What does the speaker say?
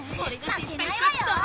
負けないわよ！